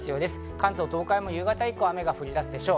関東、東海も夕方以降、雨が降り出すでしょう。